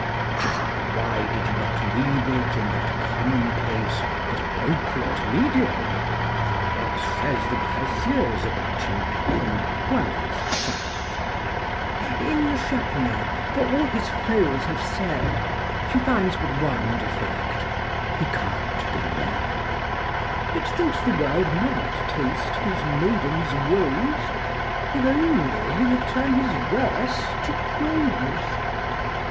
Ah, why did you not leave it in that commonplace but appropriate medium? What says the Précieuse about you in Boileau's satire? In Chapelain, for all his foes have said, She finds but one defect, he can't be read; Yet thinks the world might taste his maiden's woes, If only he would turn his verse to prose!